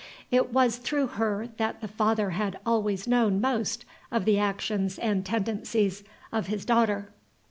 It was through her that the father had always known most of the actions and tendencies of his daughter.